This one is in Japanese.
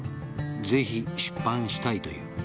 「ぜひ出版したいと言う」